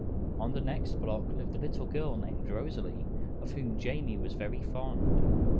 On the next block lived a little girl named Rosalie, of whom Jamie was very fond.